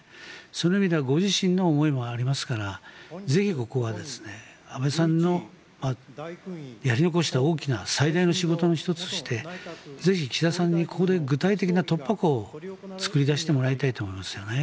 その意味ではご自身の思いもありますからぜひここは安倍さんのやり残した大きな、最大の仕事の１つとしてぜひ岸田さんにここで具体的な突破口を作り出してもらいたいと思いますよね。